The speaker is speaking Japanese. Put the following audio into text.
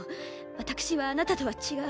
私はあなたとは違う。